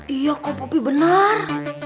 iya kok kopi benar